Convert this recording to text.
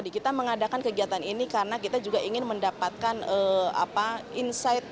kita mengadakan kegiatan ini karena kita juga ingin mendapatkan insight